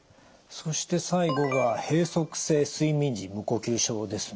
そして最後が閉塞性睡眠時無呼吸症ですね。